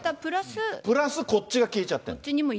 プラスこっちが消えちゃってる。